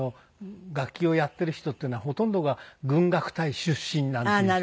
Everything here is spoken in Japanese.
楽器をやっている人っていうのはほとんどが軍楽隊出身なんていう人で。